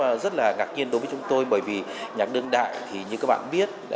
cachou là một trong những nhạc đơn đại của chúng tôi bởi vì nhạc đơn đại như các bạn biết